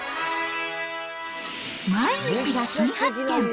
毎日が新発見！